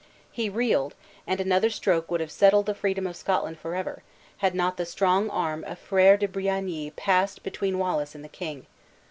He reeled; and another stroke would have settled the freedom of Scotland forever, had not the strong arm of Frere de Briagny passed between Wallace and the king.